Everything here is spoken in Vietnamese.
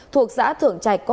thuộc giã thượng trạch hùng sida